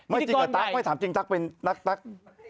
จริงกับตั๊กไม่ถามจริงตั๊กเป็นตั๊ก